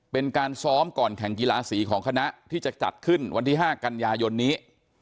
เป็นการซ้อมก่อนแข่งกีฬาสีของคณะที่จะจัดขึ้นวันที่๕กันยายนนี้